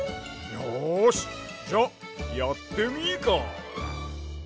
よしじゃやってみーか！